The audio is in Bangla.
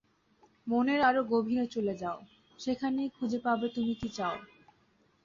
মনের আরো গভীরে চলে যাও, সেখানেই খুঁজে পাবে তুমি কী চাও।